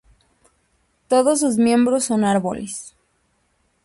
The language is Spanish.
Todos sus miembros son árboles.